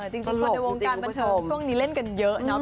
จริงคนในวงการประชุมช่วงนี้เล่นกันเยอะนะ